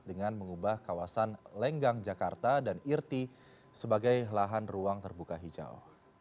dengan mengubah kawasan lenggang jakarta dan irti sebagai lahan ruang terbuka hijau